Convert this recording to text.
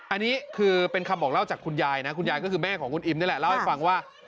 อันนี้คือเป็นคำบอกเล่าจากคุณยายนะคุณยายก็คือแม่ของคุณอิมนี่แหละเล่าให้ฟังว่า